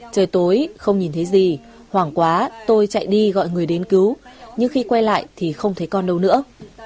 trời tối không nhìn thấy gì hoàng quá tôi chạy đi gọi người đến cứu nhưng khi quay lại thì không thấy con đâu nữa